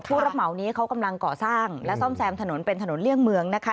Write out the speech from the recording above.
ผู้รับเหมานี้เขากำลังก่อสร้างและซ่อมแซมถนนเป็นถนนเลี่ยงเมืองนะคะ